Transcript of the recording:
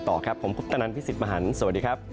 โอ้โฮ